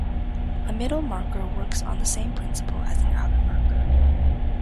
A middle marker works on the same principle as an outer marker.